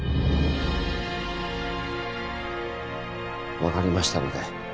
わかりましたので。